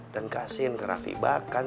dan kasihin ke raffi bahkan